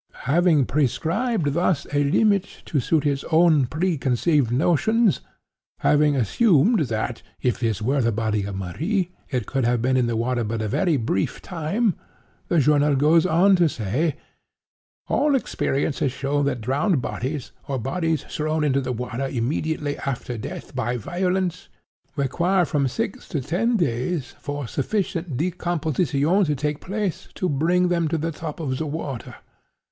"Having prescribed thus a limit to suit its own preconceived notions; having assumed that, if this were the body of Marie, it could have been in the water but a very brief time, the journal goes on to say: 'All experience has shown that drowned bodies, or bodies thrown into the water immediately after death by violence, require from six to ten days for sufficient decomposition to take place to bring them to the top of the water.